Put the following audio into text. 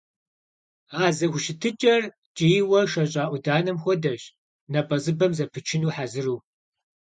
А зэхущытыкӀэр ткӀийуэ шэщӀа Ӏуданэм хуэдэщ, напӀэзыпӀэм зэпычыну хьэзыру.